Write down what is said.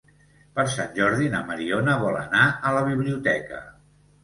Per Sant Jordi na Mariona vol anar a la biblioteca.